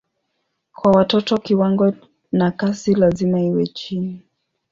Kwa watoto kiwango na kasi lazima iwe chini.